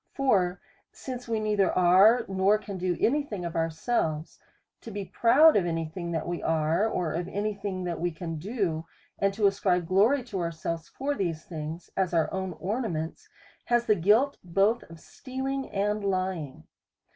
For since we neither are, nor can do any thing of ourselves, to be proud of any thing that we are, or of any thing that we can do, and to ascribe glory to ourselves for these things, as our own ornaments, has the guilt both of stealing and lying.